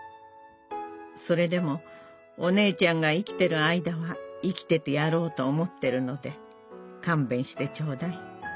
それでもお姉ちゃんが生きてる間は生きててやろうと思ってるのでかんべんしてちょうだい。